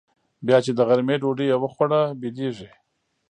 بيا چې د غرمې ډوډۍ يې وخوړه بيدېږي.